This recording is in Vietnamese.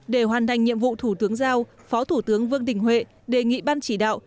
để hoàn thành nhiệm vụ thủ tướng giao phó thủ tướng vương đình huệ đề nghị ban chỉ đạo